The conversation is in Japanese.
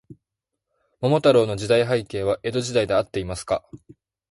桃太郎侍の時代背景は、江戸時代であっていますか。